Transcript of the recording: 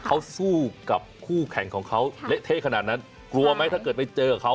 เขาสู้กับคู่แข่งของเขาเละเทะขนาดนั้นกลัวไหมถ้าเกิดไปเจอกับเขา